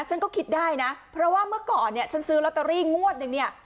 ฉันก็คิดได้นะเพราะว่าเมื่อก่อนเนี่ยฉันซื้อลอตเตอรี่งวดนึงเนี่ย